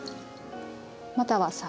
または酒。